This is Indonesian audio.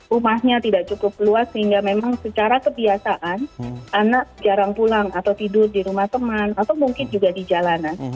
rumahnya tidak cukup luas sehingga memang secara kebiasaan anak jarang pulang atau tidur di rumah teman atau mungkin juga di jalanan